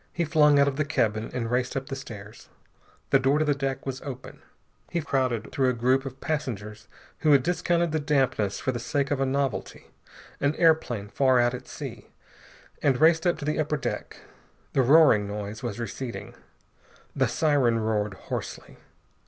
He flung out of the cabin and raced up the stairs. The door to the deck was open. He crowded through a group of passengers who had discounted the dampness for the sake of a novelty an airplane far out at sea and raced up to the upper deck. The roaring noise was receding. The siren roared hoarsely.